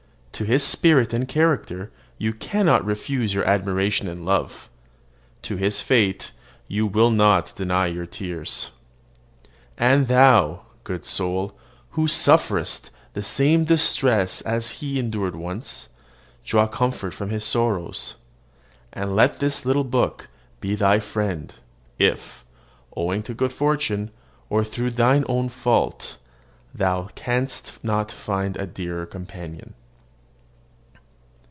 To his spirit and character you cannot refuse your admiration and love: to his fate you will not deny your tears. And thou, good soul, who sufferest the same distress as he endured once, draw comfort from his sorrows; and let this little book be thy friend, if, owing to fortune or through thine own fault, thou canst not find a dearer companion.